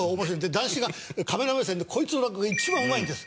談志がカメラ目線で「こいつの落語が一番うまいんです」